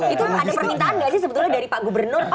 itu ada permintaan nggak sih sebetulnya dari pak gubernur